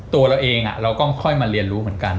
ตัวเราเองเราก็ค่อยมาเรียนรู้เหมือนกัน